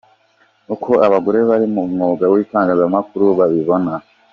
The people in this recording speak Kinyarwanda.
Uko abagore bari mu mwuga w’itangazamakuru babibona.